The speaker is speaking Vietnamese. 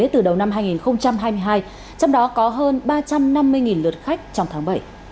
từ đầu năm hai nghìn hai mươi hai trong đó có hơn ba trăm năm mươi lượt khách trong tháng bảy